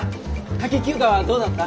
夏季休暇はどうだった？